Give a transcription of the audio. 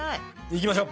いきましょう。